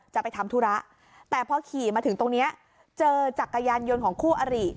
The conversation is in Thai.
จะไปทำธุระแต่พอขี่มาถึงตรงนี้เจอจักรยานยนต์ของคู่อริ